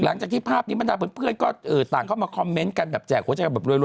หลังจากที่ภาพนี้บรรดาเพื่อนก็ต่างเข้ามาคอมเมนต์กันแบบแจกหัวใจกันแบบรวย